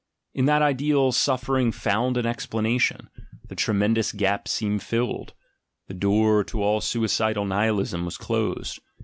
In that ideal suffering found an ex planation; the tremendous gap seemed filled; the door to all suicidal Nihilism was closed.